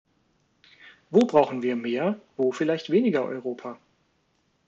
Wo brauchen wir mehr, wo vielleicht weniger Europa?